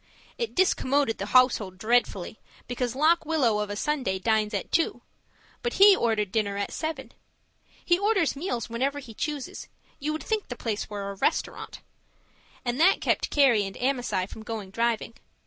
It discommoded the household dreadfully, because Lock Willow of a Sunday dines at two. But he ordered dinner at seven he orders meals whenever he chooses; you would think the place were a restaurant and that kept Carrie and Amasai from going driving.